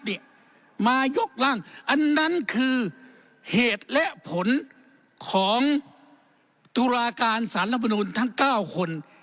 นี่มายกร่างอันนั้นคือเหตุและผลของตุลาการสารรัฐมนุนทั้ง๙คน